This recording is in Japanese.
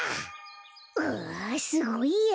うわすごいや。